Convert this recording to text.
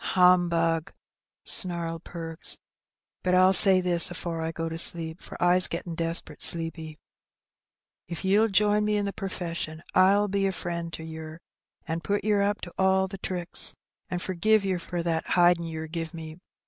Humbug!'' snarled Perks. "But I'll say this afore I go to sleep, for I's gettin' degpert sleepy, if ye'll join me in the perfession I'll be a frion' to yer, an' put yer up to all the tricks, an' forgive yer for that hidin' yer give me.